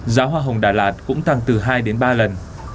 giá hoa hồng đà lạt cũng tăng từ hai đến ba lần